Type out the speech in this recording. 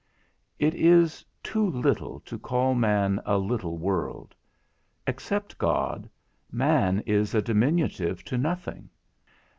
It is too little to call man a little world; except God, man is a diminutive to nothing.